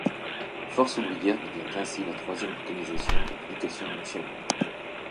Force Ouvrière devient ainsi la troisième organisation de l'Éducation nationale.